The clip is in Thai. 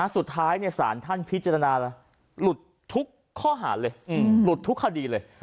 สุดท้ายศาลท่านพิจารณาแล้วหลุดทุกข้อหาเลยหลุดทุกคดีเลย